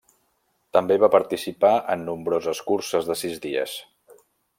També va participar en nombroses curses de sis dies.